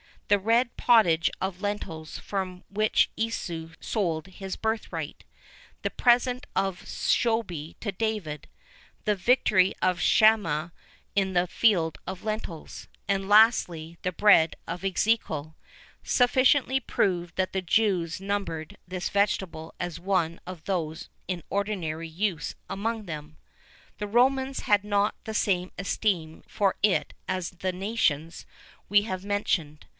The red pottage of lentils for which Esau sold his birthright,[VIII 37] the present of Shobi to David,[VIII 38] the victory of Shammah in the field of lentils,[VIII 39] and, lastly, the bread of Ezekiel,[VIII 40] sufficiently prove that the Jews numbered this vegetable as one of those in ordinary use among them. The Romans had not the same esteem for it as the nations we have mentioned.